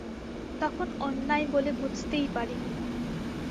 তখন অন্যায় বলে বুঝতেই পারি নি।